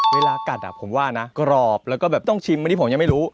เวลากัดผมว่านะกรอบแล้วก็แบบต้องชิมอันนี้ผมยังไม่รู้